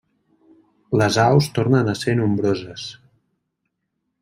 Les aus tornen a ser nombroses.